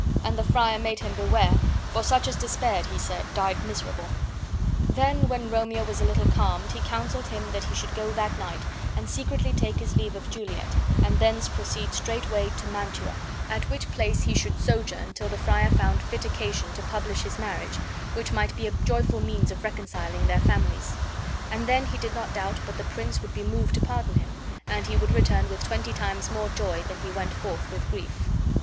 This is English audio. And the friar bade him beware, for such as despaired (he said) died miserable. Then when Romeo was a little calmed he counseled him that he should go that night and secretly take his leave of Juliet, and thence proceed straightway to Mantua, at which place he should sojourn till the friar found fit occasion to publish his marriage, which might be a joyful means of reconciling their families; and then he did not doubt but the prince would be moved to pardon him, and he would return with twenty times more joy than he went forth with grief.